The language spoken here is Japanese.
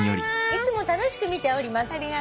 「いつも楽しく見ております」